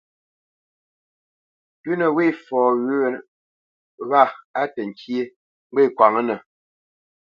Pʉ̌nə wê fɔ wʉ̌nə wâ á təŋkyé, ŋgwê kwǎŋnə.